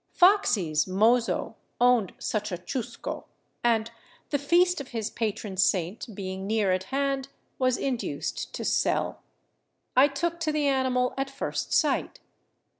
" Foxy's " mozo owned such a chusco and, the feast of his patron saint being near at hand, was induced to sell. I took to the animal at first sight.